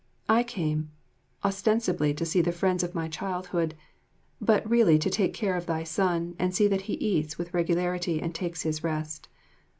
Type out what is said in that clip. I came, ostensibly to see the friends of my childhood, but really to take care of thy son and see that he eats with regularity and takes his rest.